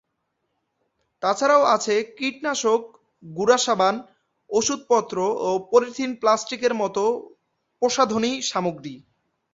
তাছাড়াও আছে কীটনাশক, গুড়াসাবান, ওষুধপত্র ও পলিথিন প্লাস্টিকের মতো প্রসাধনী সামগ্রী।